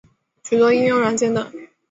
许多应用软件等。